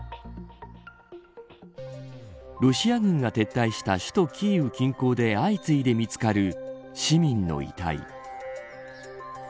ロシア軍が撤退した首都キーウ近郊で相次いで見つかる市民の遺体。